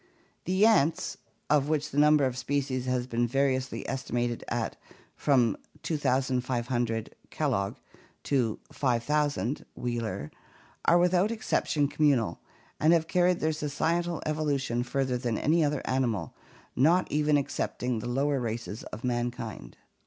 The ants, of which the number of species has been variously estimated at from 2500 (Kellogg) to 5000 (Wheeler), are without exception communal, and have carried their societal evolution further than any other animal, not even excepting the lower races of mankind.